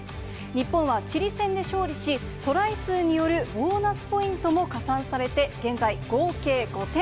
日本はチリ戦で勝利し、トライ数によるボーナスポイントも加算されて、現在、合計５点。